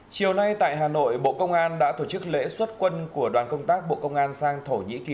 chiều nay tại hà nội bộ công an đã tổ chức lễ xuất quân của đoàn công tác bộ công an sang thổ nhĩ kỳ